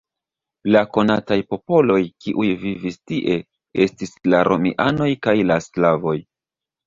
La konataj popoloj, kiuj vivis tie, estis la romianoj kaj la slavoj.